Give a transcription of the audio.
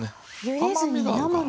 甘みがあるからね。